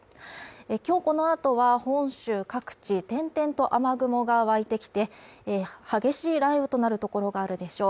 今日この後は本州各地転々と雨雲がわいてきて激しい雷雨となるところがあるでしょう。